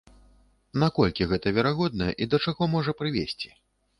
На колькі гэта верагодна і да чаго можа прывесці?